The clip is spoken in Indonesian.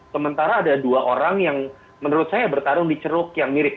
sementara ada dua orang yang menurut saya bertarung di ceruk yang mirip